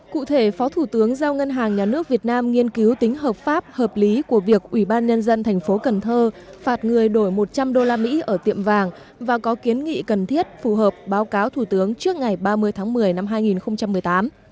cụ thể phó thủ tướng giao ngân hàng nhà nước việt nam nghiên cứu tính hợp pháp hợp lý của việc ủy ban nhân dân thành phố cần thơ phạt người đổi một trăm linh usd ở tiệm vàng và có kiến nghị cần thiết phù hợp báo cáo thủ tướng trước ngày ba mươi tháng một mươi năm hai nghìn một mươi tám